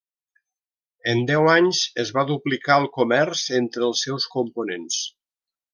En deu anys es va duplicar el comerç entre els seus components.